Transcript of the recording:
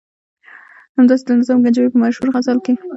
همداسې د نظامي ګنجوي په مشهور غزل کې.